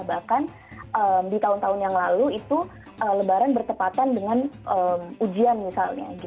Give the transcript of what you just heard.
bahkan di tahun tahun yang lalu itu lebaran bertepatan dengan ujian misalnya